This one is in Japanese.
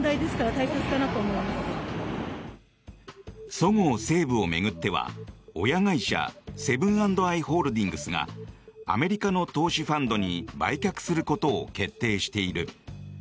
そごう・西武を巡っては親会社、セブン＆アイ・ホールディングスがアメリカの投資ファンドに売却することを決定している。